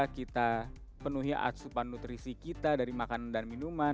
kita penuhi asupan nutrisi kita dari makanan dan minuman